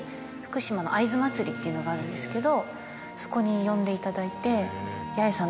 っていうのがあるんですけどそこに呼んでいただいて。